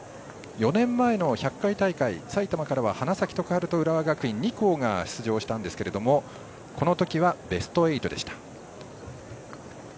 ４年前の１００回大会埼玉からは花咲徳栄と浦和学院２校が出場したんですがこのときはベスト８でした。